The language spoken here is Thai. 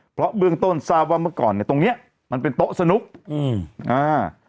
เพราะเบื้องต้นทราบว่าเมื่อก่อนเนี้ยตรงเนี้ยมันเป็นโต๊ะสนุกอืมอ่า